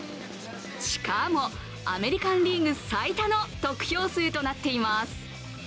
しかも、アメリカン・リーグ最多の得票数となっています。